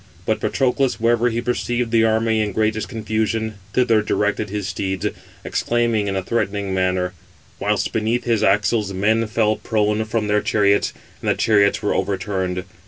But Patroclus, wherever he perceived the army in greatest confusion, thither directed [his steeds], exclaiming in a threatening manner; whilst beneath his axles men fell prone from their chariots, and the chariots were overturned.